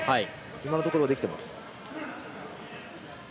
今のところはできてます。